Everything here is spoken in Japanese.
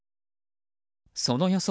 その予想